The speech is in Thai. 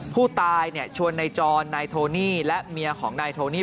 ผู้ตายชวนนายจรนายโทนี่และเมียของนายโทนี่